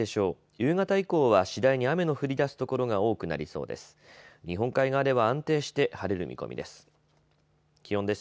夕方以降は次第に雨の降りだす所が多くなりそうです。